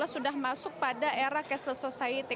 sudah masuk pada era cashles society